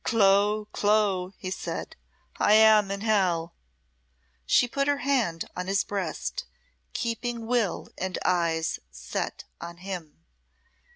"Clo Clo," he said, "I am in hell." She put her hand on his breast, keeping will and eyes set on him.